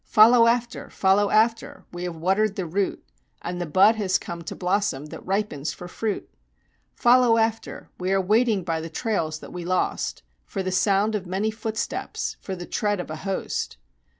Follow after follow after! We have watered the root And the bud has come to blossom that ripens for fruit! Follow after we are waiting by the trails that we lost For the sound of many footsteps, for the tread of a host.